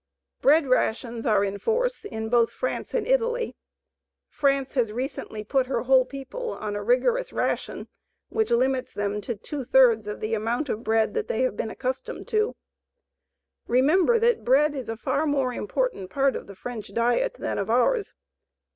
Bread rations are in force in both France and Italy. France has recently put her whole people on a rigorous ration which limits them to two thirds of the amount of bread that they have been accustomed to. Remember that bread is a far more important part of the French diet than of ours.